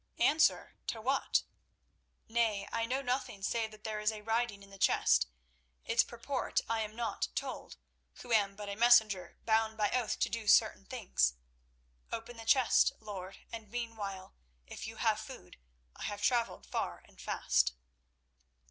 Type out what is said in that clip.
"Answer? To what?" "Nay, I know nothing save that there is a writing in the chest. Its purport I am not told, who am but a messenger bound by oath to do certain things. Open the chest, lord, and meanwhile, if you have food, I have travelled far and fast."